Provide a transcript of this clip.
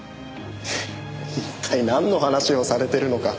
一体なんの話をされてるのか。